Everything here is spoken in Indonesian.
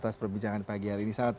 karena ular memang tidak takut